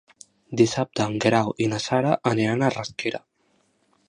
Dissabte en Guerau i na Sara aniran a Rasquera.